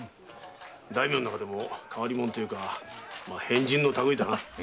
大名の中でも変わり者というか変人の類いだな。